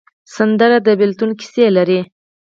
سندره د بېلتون کیسې لري